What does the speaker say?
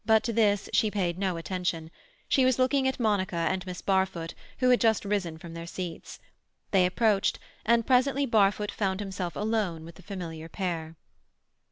But to this she paid no attention. She was looking at Monica and Miss Barfoot, who had just risen from their seats. They approached, and presently Barfoot found himself alone with the familiar pair.